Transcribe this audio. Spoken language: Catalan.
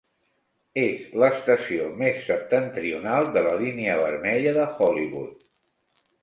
És l'estació més septentrional de la Línia vermella de Hollywood.